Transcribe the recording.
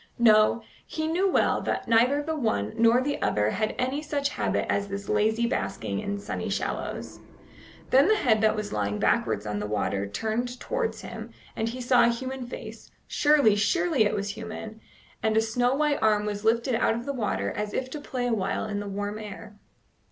No, he knew well that neither the one nor the other had any such habit as this lazy basking in sunny shallows. Then the head that was lying backwards on the water turned towards him, and he saw a human face surely, surely it was human! and a snow white arm was lifted out of the water as if to play awhile in the warm air.